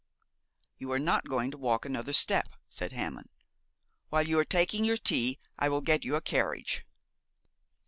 'You are not going to walk another step,' said Hammond. 'While you are taking your tea I will get you a carriage.'